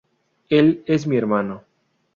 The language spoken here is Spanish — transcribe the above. Él es mi hermano.